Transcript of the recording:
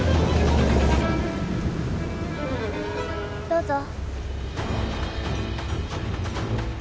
どうぞ。